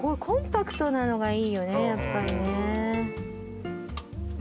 コンパクトなのがいいよねやっぱりね。